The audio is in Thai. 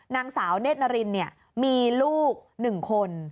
นางสาวเนธนรินเนี่ยมีลูก๑คน